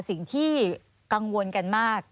สิ่งที่กังวลกันมาก